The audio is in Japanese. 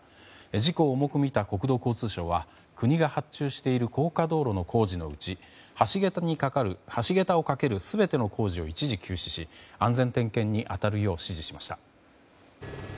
事故を重く見た国土交通省は国が発注している高架道路の工事のうち橋桁をかける全ての工事を一時休止し安全点検に当たるよう指示しました。